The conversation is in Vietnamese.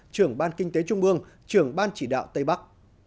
trưởng ban kinh tế trung ương trưởng ban chỉ đạo tây bắc